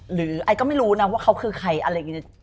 ไอ้ก็ไม่รู้นะว่าเขาคือใครอะไรอย่างนี้